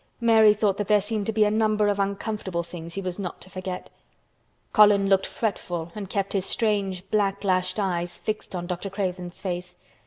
Mary thought that there seemed to be a number of uncomfortable things he was not to forget. Colin looked fretful and kept his strange black lashed eyes fixed on Dr. Craven's face.